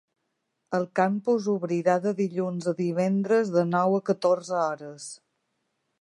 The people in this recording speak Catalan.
El campus obrirà de dilluns a divendres de nou a catorze hores.